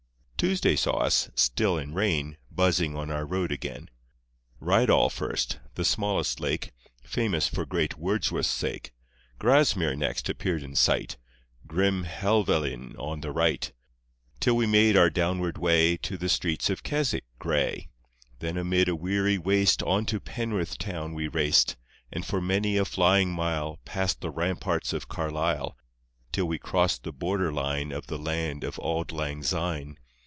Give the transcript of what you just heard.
Tuesday saw us still in rain — Buzzing on our road again. Rydal first, the smallest lake, Famous for great Wordsworth's sake; Grasmere next appeared in sight, Grim Helvellyn on the right, Till we made our downward way To the streets of Keswick gray. Then amid a weary waste On to Penrith Town we raced, And for many a flying mile, Past the ramparts of Carlisle, Till we crossed the border line Of the land of Auld lang syne.